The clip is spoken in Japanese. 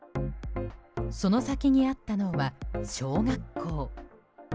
その先にあったのは小学校。